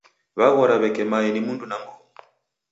Waghora w'eke mae ni mndu na mruna.